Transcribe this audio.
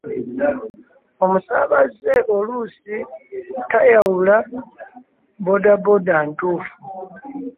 Omusaabaze oluusi tayawula boodabooda ntuufu.